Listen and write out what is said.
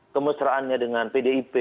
kemesraannya dengan pdip